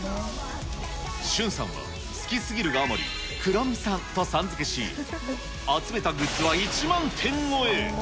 しゅんさんは好きすぎるがあまり、クロミさんとさん付けし、集めたグッズは１万点超え。